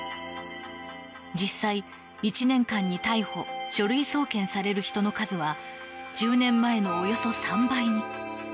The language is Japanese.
実際１年間に逮捕・書類送検される人の数は１０年前のおよそ３倍に。